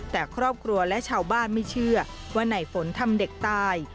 แต่ครอบครัวและชาวบ้านไม่เชื่อว่าไหนฝนทำเด็กตาย